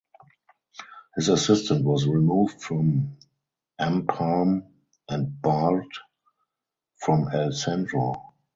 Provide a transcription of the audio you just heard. His assistant was removed from Empalme and barred from El Centro.